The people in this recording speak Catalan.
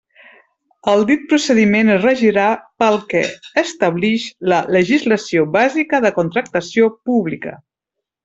El dit procediment es regirà pel que establix la legislació bàsica de contractació pública.